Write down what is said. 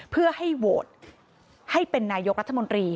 เพื่อให้โหวตให้เป็นนายกรัฐมนตรี